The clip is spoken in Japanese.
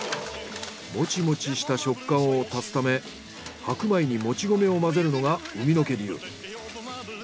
もちもちした食感を足すため白米にもち米を混ぜるのが海野家流。